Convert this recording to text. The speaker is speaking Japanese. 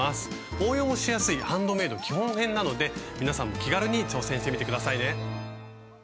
応用もしやすいハンドメイド基本編なので皆さんも気軽に挑戦してみて下さいね。